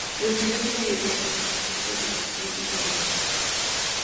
Recibió en su mayoría reseñas mixtas de los críticos de música.